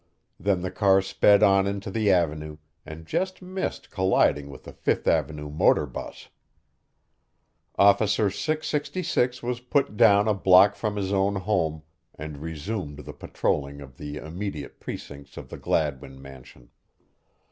Then the car sped on into the avenue and just missed colliding with a Fifth avenue motor 'bus. Officer 666 was put down a block from his own home and resumed the patrolling of the immediate precincts of the Gladwin mansion.